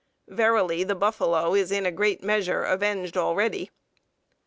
Verily, the buffalo is in a great measure avenged already.